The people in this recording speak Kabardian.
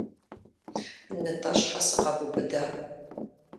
НтӀэ щхьэ сыкъэбубыда?